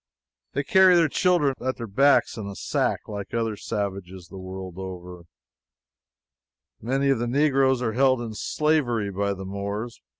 They carry their children at their backs, in a sack, like other savages the world over. Many of the Negroes are held in slavery by the Moors.